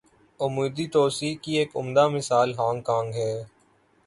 عمودی توسیع کی ایک عمدہ مثال ہانگ کانگ ہے۔